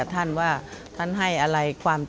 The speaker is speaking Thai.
มีหลานชายคนหนึ่งเขาไปสื่อจากคำชโนธ